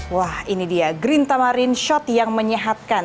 wah ini dia green tamarin shot yang menyehatkan